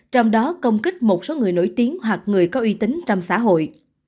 trong đó công kích một số người nổi tiếng hoặc người có uy tín trong xã hội